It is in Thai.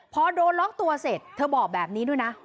พอโดนล็อกตัวเสร็จเธอบอกแบบนี้ด้วยนะ